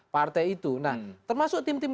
partai itu nah termasuk tim tim